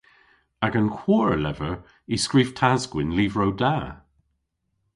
Agan hwor a lever y skrif tas-gwynn lyvrow da.